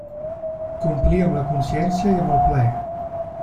Complia amb la consciència i amb el plaer.